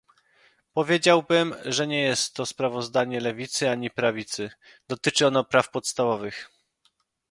Powiedziałbym, że nie jest to sprawozdanie lewicy ani prawicy - dotyczy ono praw podstawowych